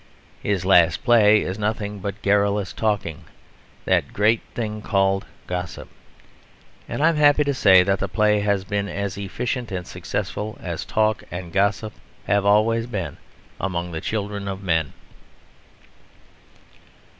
His last play is nothing but garrulous talking, that great thing called gossip. And I am happy to say that the play has been as efficient and successful as talk and gossip have always been among the children of men.